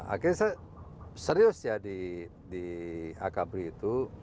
akhirnya saya serius ya di akabri itu